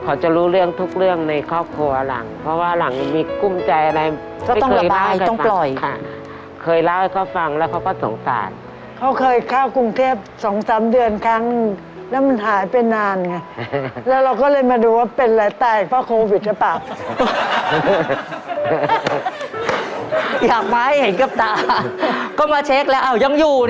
ก็มาเช็คแล้วยังอยู่เนี่ย